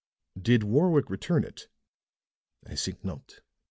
"Did Warwick return it?" "I think not.